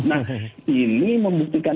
nah ini membuktikan